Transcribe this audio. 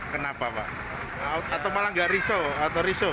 kenapa pak atau malah nggak risau